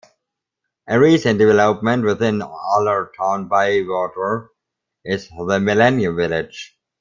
A recent development within Allerton Bywater is the Millennium Village.